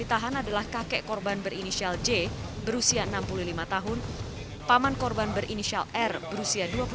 ditahan adalah kakek korban berinisial j berusia enam puluh lima tahun paman korban berinisial r berusia